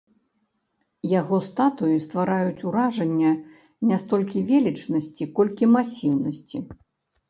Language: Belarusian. Яго статуі ствараюць уражанне не столькі велічнасці, колькі масіўнасці.